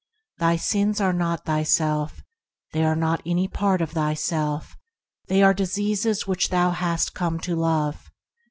Thy sins are not thyself; they are not any part of thyself; they are diseases which thou hast come to love.